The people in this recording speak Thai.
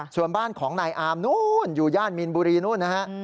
ส่วนบ้านของนายอามนู้นอยู่ย่านมีนบุรีนู้นนะฮะ